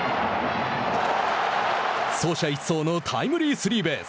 走者一掃のタイムリースリーベース。